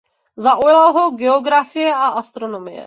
Zaujala ho geografie a astronomie.